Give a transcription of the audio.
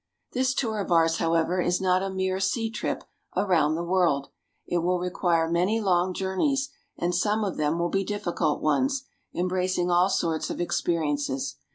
This tour of ours, however, is not a mere sea trip around the world. It will require many long journeys, and some of them will be difficult ones, embracing all sorts of expe riences.